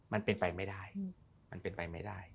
มันเป็นไปไม่ได้